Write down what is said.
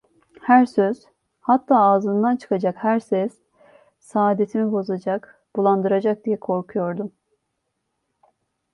Her söz, hatta ağzımdan çıkacak her ses, saadetimi bozacak, bulandıracak diye korkuyordum.